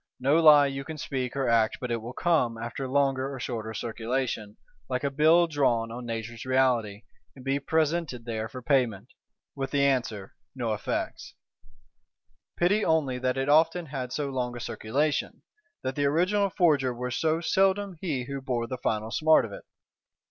No lie you can speak or act but it will come, after longer or shorter circulation, like a Bill drawn on Nature's Reality, and be presented there for payment,—with the answer, No effects. Pity only that it often had so long a circulation: that the original forger were so seldom he who bore the final smart of it!